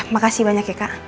makasih banyak ya